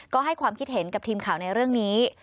ก็ให้ความคิดเห็นกับทีมข่าวในเรื่องนี้